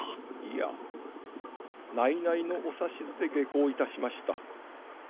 いや内々のお指図で下向いたしました。